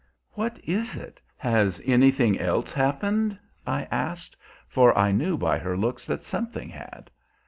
"What is it? Has anything else happened?" I asked; for I knew by her looks that something had.